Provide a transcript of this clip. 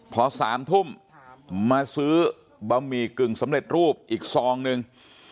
พอ๓ทุ่มมาซื้อบะหมี่กึ่งสำเร็จรูปอีกซองหนึ่ง